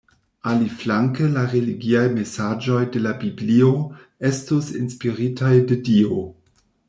Aliflanke, la religiaj mesaĝoj de la Biblio estus inspiritaj de Dio.